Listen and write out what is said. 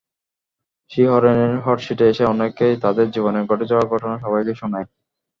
শিহরণের হটসিটে এসে অনেকেই তাদের জীবনে ঘটে যাওয়া ঘটনা সবাইকে শোনায়।